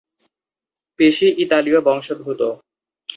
পেশি ইতালীয় বংশোদ্ভূত।